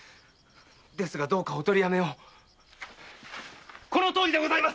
ですがどうかおとりやめをこのとおりでございます。